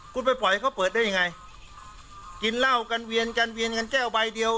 คุณไปปล่อยเขาเปิดได้ยังไงกินเหล้ากันเวียนกันเวียนกันแก้วใบเดียว